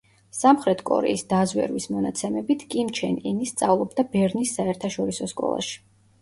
სამხრეთ კორეის დაზვერვის მონაცემებით კიმ ჩენ ინი სწავლობდა ბერნის საერთაშორისო სკოლაში.